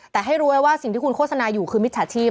แต่ให้รู้ไว้ว่าสิ่งที่คุณโฆษณาอยู่คือมิจฉาชีพ